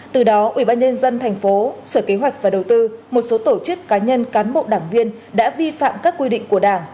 từ đó ủy ban nhân dân thành phố sở kế hoạch và đầu tư một số tổ chức cá nhân cán bộ đảng viên đã vi phạm các quy định của đảng